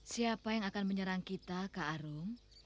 siapa yang akan menyerang kita kak arung